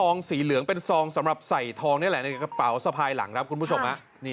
สีเหลืองเป็นซองสำหรับใส่ทองนี่แหละในกระเป๋าสะพายหลังครับคุณผู้ชม